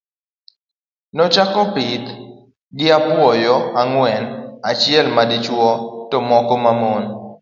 Nachako pith gi apuoyo ang'wen, achiel madichuo to moko mamon.